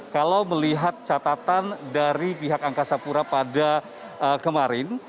kalau melihat catatan dari pihak angkasa pura pada kemarin